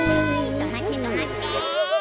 とまってとまって！